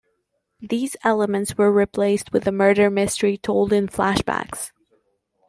These elements were replaced with a murder mystery told in flashbacks.